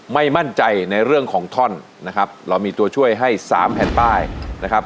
ไม่มั่นใจในเรื่องของท่อนนะครับเรามีตัวช่วยให้สามแผ่นป้ายนะครับ